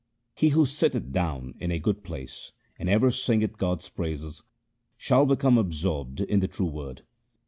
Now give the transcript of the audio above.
He who sitteth down in a good place 1 and ever singeth God's praises, shall become absorbed in the true Word.